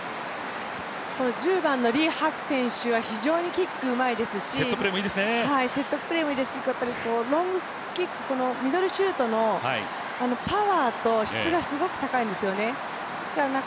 １０番のリ・ハク選手は非常にキックうまいですし、セットプレーもいいですし、ロングキック、ミドルシュートのパワーと質がすごく高いんですよね。